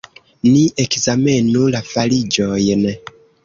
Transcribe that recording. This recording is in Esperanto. Ni ekzamenu la fariĝojn.